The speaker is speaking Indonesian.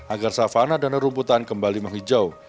agar savana dan nerumputan kembali menghijau